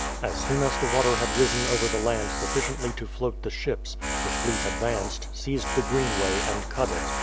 As soon as the water had risen over the land sufficiently to float the ships, the fleet advanced, seized the Greenway, and cut it.